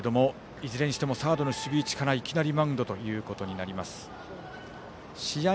いずれにしてもサードの守備位置からいきなりマウンドとなります京井。